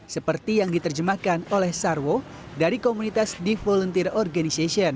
seperti yang diterjemahkan oleh sarwo dari komunitas di volunteer organization